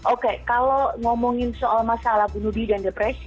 oke kalau ngomongin soal masalah bunuh diri dan depresi